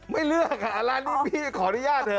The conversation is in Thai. ไม่เลือกค่ะร้านนี้พี่ขออนุญาตเถอ